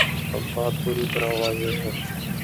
ایک بات پوری طرح واضح ہے۔